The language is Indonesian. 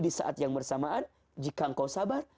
di saat yang bersamaan jika engkau sabar